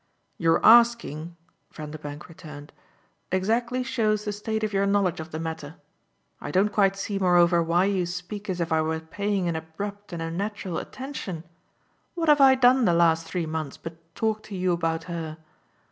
"Your asking," Vanderbank returned, "exactly shows the state of your knowledge of the matter. I don't quite see moreover why you speak as if I were paying an abrupt and unnatural attention. What have I done the last three months but talk to you about her?